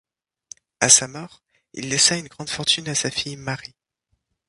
À sa mort, il laissa une grande fortune à sa fille Mary.